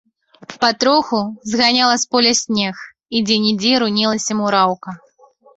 Патроху зганяла з поля снег, і дзе-нідзе рунелася мураўка.